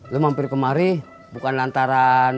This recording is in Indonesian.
lo mampir kemari bukan lantaran